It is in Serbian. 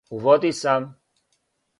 У води сам.